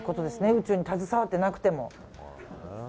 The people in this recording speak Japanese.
宇宙に携わってなくても。